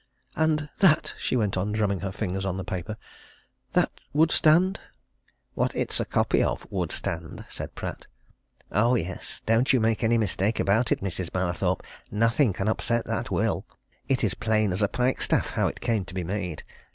"And that," she went on, drumming her fingers on the paper, "that would stand?" "What it's a copy of would stand," said Pratt. "Oh, yes, don't you make any mistake about it, Mrs. Mallathorpe! Nothing can upset that will. It is plain as a pikestaff how it came to be made.